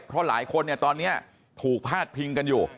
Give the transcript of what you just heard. เพราะหลายคนเนี่ยตอนนี้ถูกพาดพิงกันอยู่